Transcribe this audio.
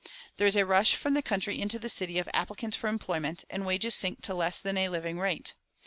There is a rush from the country into the city of applicants for employment, and wages sink to less than a living rate.